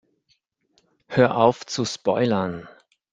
Hör auf zu spoilern!